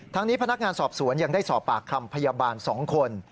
ทั้งนี้พนักงานสอบสวนยังได้สอบปากคำพยาบาล๒คน